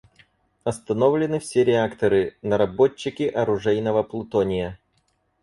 Остановлены все реакторы − наработчики оружейного плутония.